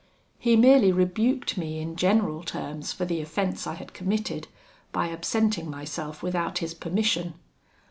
He merely rebuked me in general terms for the offence I had committed, by absenting myself without his permission.